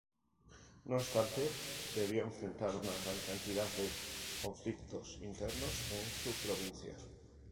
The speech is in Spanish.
No obstante, debió enfrentar una gran cantidad de conflictos internos en su provincia.